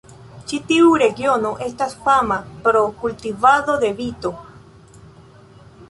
Ĉi tiu regiono estas fama pro kultivado de vito.